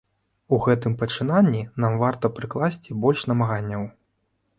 У гэтым пачынанні нам варта прыкласці больш намаганняў.